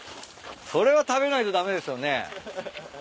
それは食べないと駄目ですよね。